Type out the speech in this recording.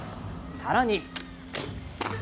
さらに。